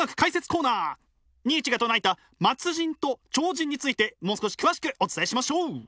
ニーチェが唱えた末人と超人についてもう少し詳しくお伝えしましょう。